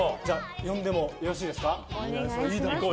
呼んでもよろしいですか。